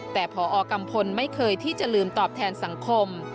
แต่พอกัมพลไม่เคยที่จะลืมตอบแทนสังคม